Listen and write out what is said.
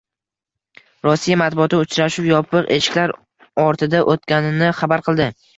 Rossiya matbuoti uchrashuv yopiq eshiklar ortida o'tganini xabar qildi